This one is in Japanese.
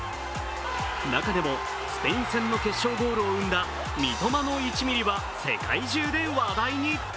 中でも、スペイン戦の決勝ゴールを生んだ三笘の１ミリは世界中で話題に。